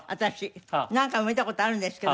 何回も見た事あるんですけど。